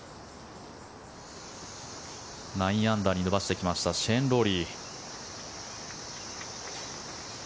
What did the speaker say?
９アンダーに伸ばしてきましたシェーン・ロウリー。